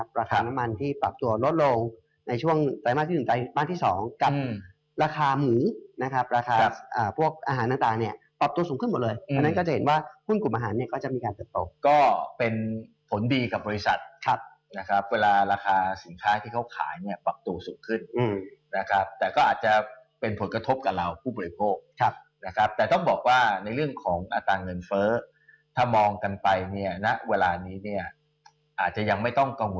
ปรับตัวสูงขึ้นหมดเลยอันนั้นก็จะเห็นว่าหุ้นกลุ่มอาหารเนี่ยก็จะมีการเติบโตก็เป็นผลดีกับบริษัทนะครับเวลาราคาสินค้าที่เขาขายเนี่ยปรับตัวสูงขึ้นนะครับแต่ก็อาจจะเป็นผลกระทบกับเราผู้บริโภคนะครับแต่ต้องบอกว่าในเรื่องของอัตราเงินเฟ้อถ้ามองกันไปเนี่ยนะเวลานี้เนี่ยอาจจะยังไม่ต